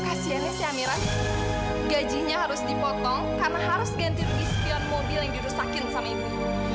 kasiannya si amiran gajinya harus dipotong karena harus ganti viskilan mobil yang dirusakin sama ibu